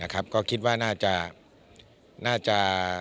ก็คิดว่าน่าจะ